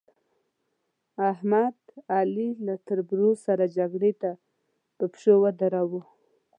احمد؛ علي له تربرو سره جګړې ته په پشو ودراوو.